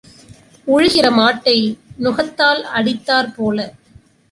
உழுகிற மாட்டை நுகத்தால் அடித்தாற் போல.